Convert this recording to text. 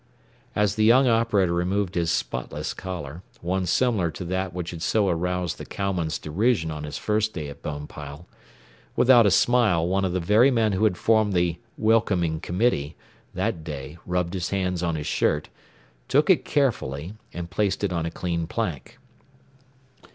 As the young operator removed his spotless collar one similar to that which had so aroused the cowmen's derision on his first day at Bonepile without a smile one of the very men who had formed the "welcoming committee" that day rubbed his hands on his shirt, took it carefully, and placed it on a clean plank.